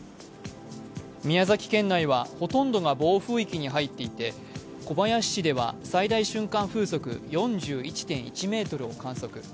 宮崎県内はほとんどが暴風域に入っていて小林市では最大瞬間風速４１．１メートルを観測。